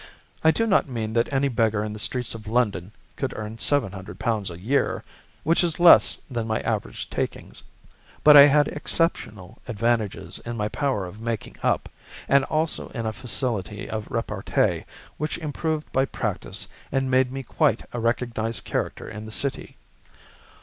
I do not mean that any beggar in the streets of London could earn £ 700 a year—which is less than my average takings—but I had exceptional advantages in my power of making up, and also in a facility of repartee, which improved by practice and made me quite a recognised character in the City.